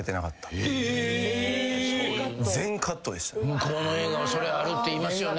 向こうの映画はそれあるっていいますよね。